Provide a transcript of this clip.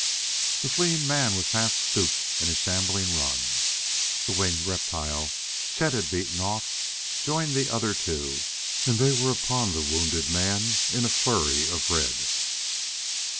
The fleeing man was half stooped in a shambling run. The winged reptile Chet had beaten off joined the other two and they were upon the wounded man in a flurry of red.